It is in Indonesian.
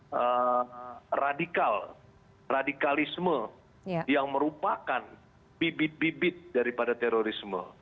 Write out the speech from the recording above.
yang radikal radikalisme yang merupakan bibit bibit daripada terorisme